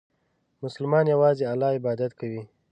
مسلمان یوازې الله عبادت کوي.